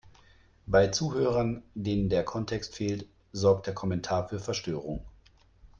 Bei Zuhörern, denen der Kontext fehlt, sorgt der Kommentar für Verstörung.